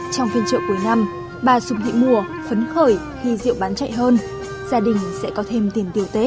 trong phiên chợ cuối năm bà sụp hị mùa phấn khởi khi rượu bán chạy hơn gia đình sẽ có thêm tiền tiêu tết